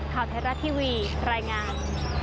ข่าวเทราะห์ทีวีรายงาน